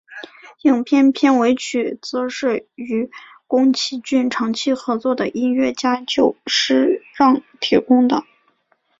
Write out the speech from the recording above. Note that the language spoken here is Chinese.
影片片尾曲则是与宫崎骏长期合作的音乐家久石让提供。